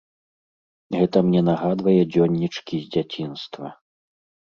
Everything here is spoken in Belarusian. Гэта мне нагадвае дзённічкі з дзяцінства.